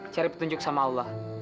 cari petunjuk sama allah